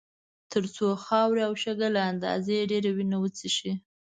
تر څو خاورې او شګه له اندازې ډېره وینه وڅښي.